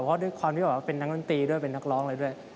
เพราะด้วยความที่แบบว่าเป็นนักดนตรีด้วยเป็นนักร้องอะไรด้วย